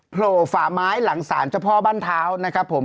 โผล่ฝ่าไม้หลังศาลเจ้าพ่อบ้านเท้านะครับผม